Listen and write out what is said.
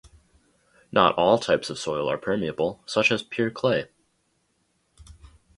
Not all types of soil are permeable, such as pure clay.